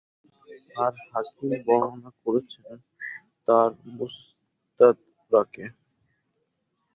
আর Hakim বর্ণনা করেছেন তার মুসতাদরাকে।